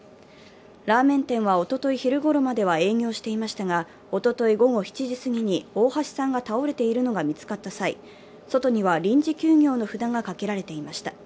ラーメン店はおととい昼ごろまでは営業していましたが、おととい午後７時過ぎに大橋さんが倒れているのが見つかった際、外には臨時休業の札がかけられていました。